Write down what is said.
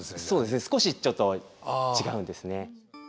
そうですね少しちょっと違うんですね。